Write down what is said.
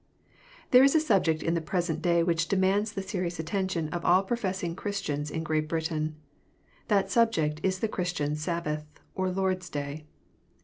THERE is a subject in the present day which demands the serious attention of all professing Christians in Great Britain. That subject is the Christian Sabbath, or Lord s Day.